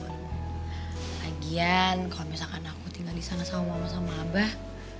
lagian kalau misalkan aku tinggal di sana sama mama sama abah